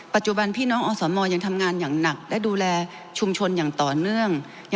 พี่น้องอสมยังทำงานอย่างหนักและดูแลชุมชนอย่างต่อเนื่อง